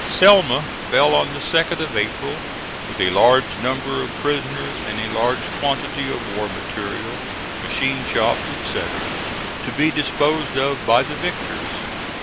Selma fell on the 2d of April, with a large number of prisoners and a large quantity of war material, machine shops, etc., to be disposed of by the victors.